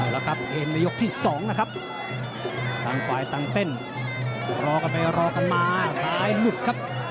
เอาละครับทำภายตำแต้นรอกันไปรอกันมาสายหลุดครับ